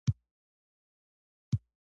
د پلسار ډېر تېز ګرځي.